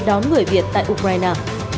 đón người việt tại ukraine